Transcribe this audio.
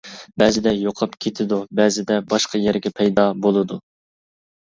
بەزىدە يوقاپ كېتىدۇ بەزىدە باشقا يەرگە پەيدا بولىدۇ.